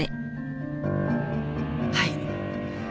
はい。